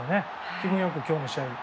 気分良く今日の試合に。